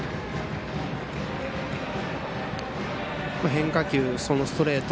変化球、ストレート